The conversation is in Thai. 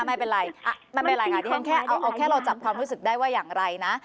ไม่เป็นไรไม่เป็นไรค่ะที่ฉันแค่เอาแค่เราจับความรู้สึกได้ว่าอย่างไรนะ